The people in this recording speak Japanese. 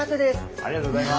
ありがとうございます。